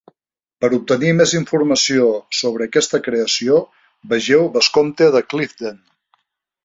Per obtenir més informació sobre aquesta creació, vegeu Vescomte de Clifden.